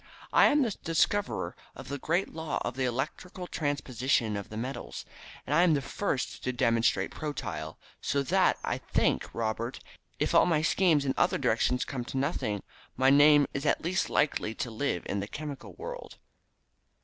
I am the discoverer of the great law of the electrical transposition of the metals, and I am the first to demonstrate protyle, so that, I think, Robert, if all my schemes in other directions come to nothing, my name is at least likely to live in the chemical world.